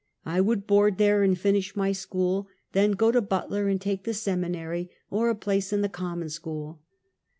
I would board there and finish my school, then go to Butler and take the seminary, or a place in the common school.